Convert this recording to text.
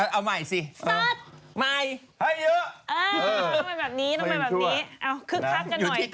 เออต้องมาแบบนี้ต้องมาแบบนี้